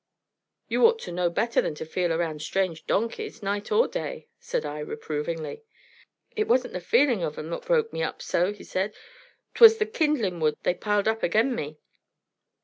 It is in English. "You ought to know better than to feel around strange donkeys, night or day," said I, reprovingly. "It wasn't th' feelin' of 'em what broke me up so," said he. "'Twas the kindlin' wood they piled up again me."